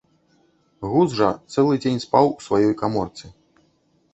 Гуз жа цэлы дзень спаў у сваёй каморцы.